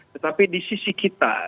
tetapi di sisi kita